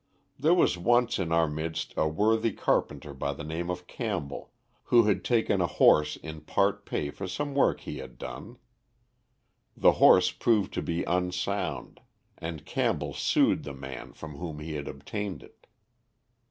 There was once in our midst, a worthy carpenter by the name of Campbell, who had taken a horse in part pay for some work he had done. The horse proved to be unsound; and Campbell sued the man from whom he had obtained it.